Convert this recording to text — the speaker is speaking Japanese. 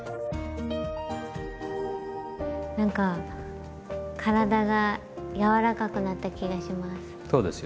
何か体がやわらかくなった気がします。